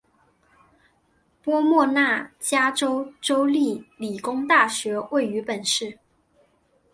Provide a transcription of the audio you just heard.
波莫纳加州州立理工大学位于本市。